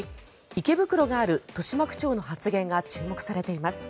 池袋がある豊島区長の発言が注目されています。